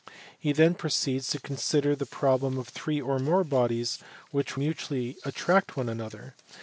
He then proceeds to consider the problem of three or more bodies which mutually attract one another.